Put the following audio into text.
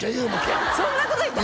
そんなこと言ったの？